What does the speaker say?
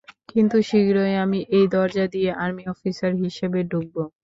কিন্তু শীঘ্রই আমি এই দরজা দিয়ে আর্মি অফিসার হিসেবে ঢুকব।